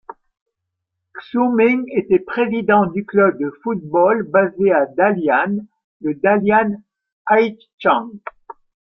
Xu Ming était président du club de football basé à Dalian, le Dalian Haichang.